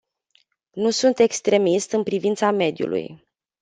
Nu sunt extremist în privința mediului.